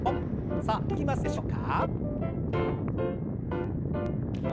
さあうまくできますでしょうか。